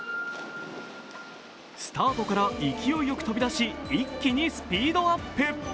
スタートから勢いよく飛び出し、一気にスピードアップ。